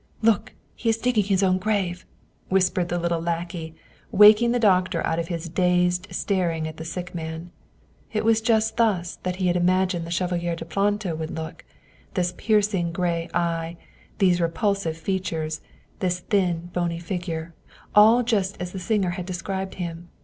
" Look, he is digging his own grave !" whispered the little lackey, waking the doctor out of his dazed staring at the sick man. It was just thus that he had imagined the Chevalier de Planto would look: this piercing gray eye, these repulsive features, this thin, bony figure all just as the singer had described him.